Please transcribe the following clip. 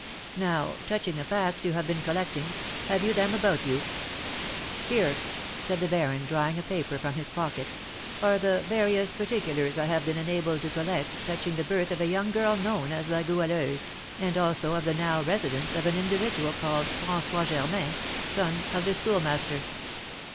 Now, touching the facts you have been collecting, have you them about you?" "Here," said the baron, drawing a paper from his pocket, "are the various particulars I have been enabled to collect touching the birth of a young girl known as La Goualeuse, and also of the now residence of an individual called François Germain, son of the Schoolmaster."